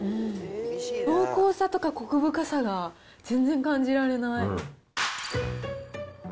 濃厚さとかこく深さが、全然感じられない。